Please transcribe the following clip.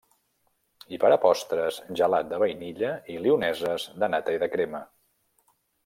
I per a postres, gelat de vainilla i lioneses de nata i de crema.